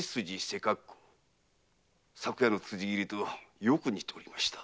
昨夜の辻斬りとよく似ておりました。